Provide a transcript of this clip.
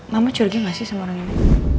mama curiga gak sih semua orang ini